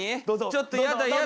ちょっとやだやだ。